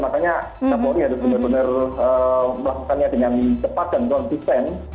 makanya kapolri harus benar benar melakukannya dengan cepat dan konsisten